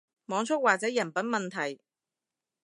網速或者人品問題